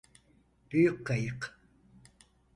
Büyük kayık.